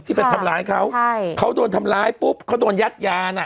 ไปทำร้ายเขาใช่เขาโดนทำร้ายปุ๊บเขาโดนยัดยาน่ะ